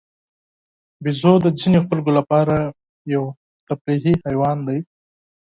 بیزو د ځینو خلکو لپاره تفریحي حیوان دی.